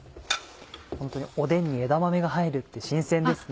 ホントにおでんに枝豆が入るって新鮮ですね。